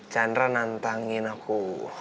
chandra nantangin aku